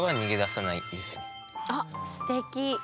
僕はあっすてき。